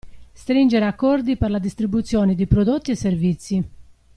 Stringere accordi per la distribuzione di prodotti e servizi.